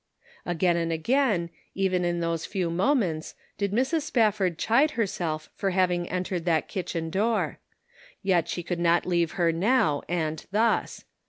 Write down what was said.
Again and again, even in those few moments, did Mrs. Spafford chide herself for having entered that kitchen door. Yet she could not leave her now and thus.